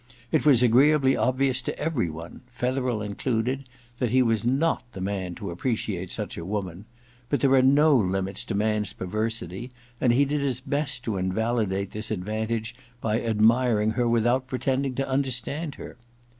It was agreeably obvious to every one, Fetherel included, that he was not the man to appreciate such a woman ; but there are no limits to man's perversity, and he did his best to invalidate this advantage by admiring her without pretending to understand her.